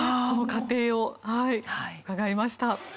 この過程を伺いました。